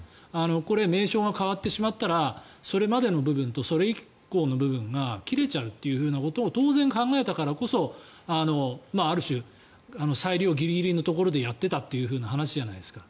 これ、名称が変わってしまったらそれまでの部分とそれ以降の部分が切れちゃうということを当然、考えたからこそある種、裁量ギリギリのところでやってたという話じゃないですか。